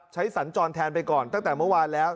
สัญจรแทนไปก่อนตั้งแต่เมื่อวานแล้ว